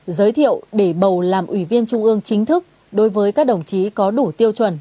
giới thiệu để bầu làm ủy viên trung ương chính thức đối với các đồng chí có đủ tiêu chuẩn